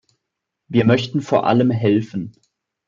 Wir möchten vor allem helfen.